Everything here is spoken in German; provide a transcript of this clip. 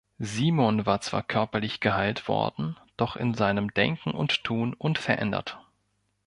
Simon war zwar körperlich geheilt worden, doch in seinem Denken und Tun unverändert.